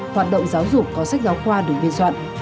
hoạt động giáo dục có sách giáo khoa được biên soạn